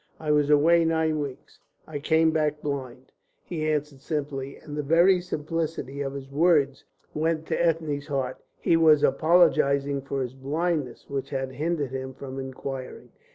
"I was away nine weeks. I came back blind," he answered simply, and the very simplicity of his words went to Ethne's heart. He was apologising for his blindness, which had hindered him from inquiring.